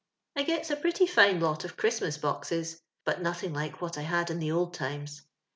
*• I gets a pretty fine lot of Chrietmas boxes, but nothing like what I had in the old times.